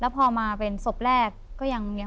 แล้วพอมาเป็นศพแรกก็ยังไม่เจอ